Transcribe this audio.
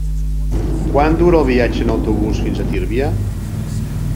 Quant dura el viatge en autobús fins a Tírvia?